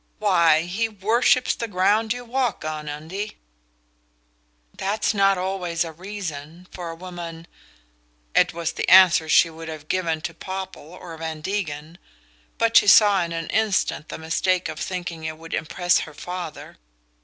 "Why, he worships the ground you walk on, Undie." "That's not always a reason, for a woman " It was the answer she would have given to Popple or Van Degen, but she saw in an instant the mistake of thinking it would impress her father.